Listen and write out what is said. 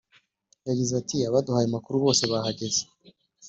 yagize ati “abaduhaye amakuru bose bahageze